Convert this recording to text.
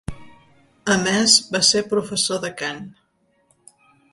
A més, va ser professor de cant.